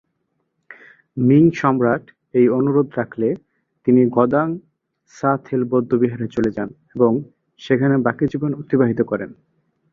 Ming সম্রাট এই অনুরোধ রাখলে তিনি গ্দান-সা-থেল বৌদ্ধবিহারে চলে যান এবং সেখানে বাকি জীবন অতিবাহিত করেন।